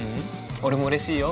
俺もうれしいよ。